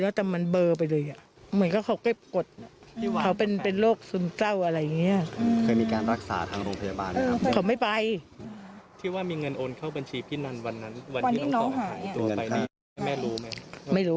แล้วมันเบลอไปเลยเหมือนกับเขาเก็บกฎเขาเป็นโรคสุนเจ้าอะไรอย่างนี้